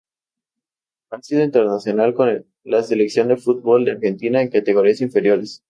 Ha sido internacional con la Selección de fútbol de Argentina en categorías inferiores.